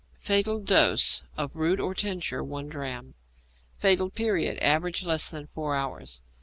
Fatal Dose. Of root or tincture, 1 drachm. Fatal Period. Average, less than four hours.